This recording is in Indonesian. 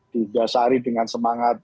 di dasari dengan semangat